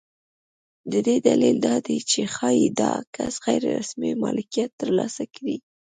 د دې دلیل دا دی چې ښایي دا کس غیر رسمي مالکیت ترلاسه کړي.